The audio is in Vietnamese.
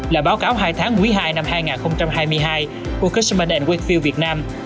là báo cáo hai tháng quý ii năm hai nghìn hai mươi hai của customers workfield việt nam